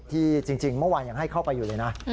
จริงเมื่อวานยังให้เข้าไปอยู่เลยนะ